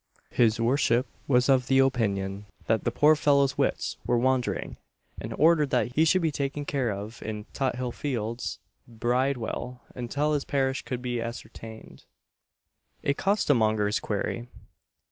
His worship was of opinion that the poor fellow's wits were wandering, and ordered that he should be taken care of in Tothill field's Bridewell, until his parish could be ascertained. A COSTERMONGER'S QUERY.